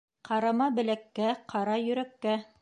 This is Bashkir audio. Ҡарама беләккә, ҡара йөрәккә.